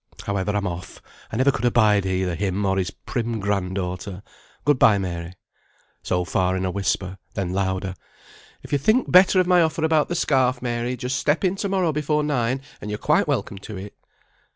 However, I'm off; I never could abide either him or his prim grand daughter. Goodbye, Mary." So far in a whisper, then louder, "If you think better of my offer about the scarf, Mary, just step in to morrow before nine, and you're quite welcome to it."